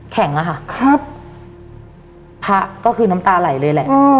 อะค่ะครับพระก็คือน้ำตาไหลเลยแหละ